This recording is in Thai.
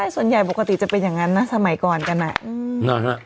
ส่วนใหญ่ปกติจะเป็นอย่างนั้นนะสมัยก่อนกันอ่ะนะฮะ